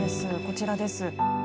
こちらです。